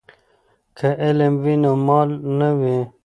که علم وي نو مال نه وي.